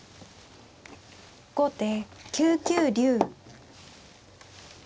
後手９九竜。